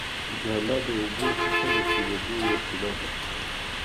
جاله د اوبو څخه د تېرېدو وسیله ده